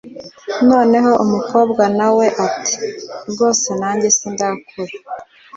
noneho umukobwa na we ati ‘rwose nanjye sindakura.’